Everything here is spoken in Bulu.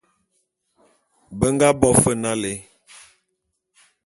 Be nga bo fe nalé.